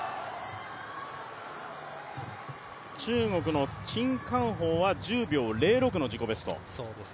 中国の陳冠鋒は１０秒０６の自己ベスト。